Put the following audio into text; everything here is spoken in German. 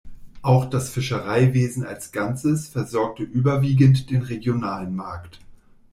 Auch das Fischereiwesen als Ganzes versorgte überwiegend den regionalen Markt.